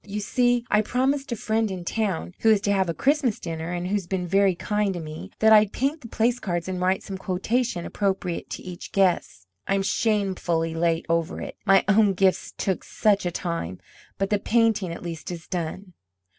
You see, I promised a friend in town, who is to have a Christmas dinner, and who's been very kind to me, that I'd paint the place cards and write some quotation appropriate to each guest. I'm shamefully late over it, my own gifts took such a time; but the painting, at least, is done."